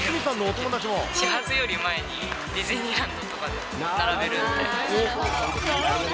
始発より前にディズニーランドとかに並べるんで。